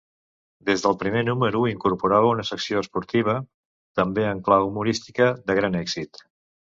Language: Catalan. Des del primer número incorporava una secció esportiva, també en clau humorística, de gran èxit.